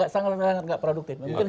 sangat sangat gak produktif